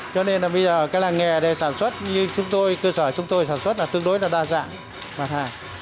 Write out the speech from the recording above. cho nên là bây giờ cái làng nghề để sản xuất như chúng tôi cơ sở chúng tôi sản xuất là tương đối là đa dạng mặt hàng